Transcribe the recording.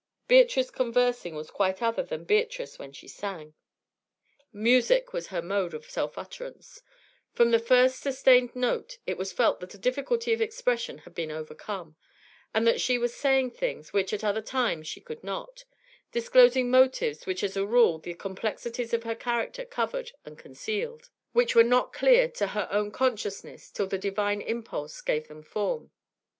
Beatrice conversing was quite other than Beatrice when she sang; music was her mode of self utterance; from the first sustained note it was felt that a difficulty of expression had been overcome, and that she was saying things which at other times she could not, disclosing motives which as a rule the complexities of her character covered and concealed, which were not clear to her own consciousness till the divine impulse gave them form.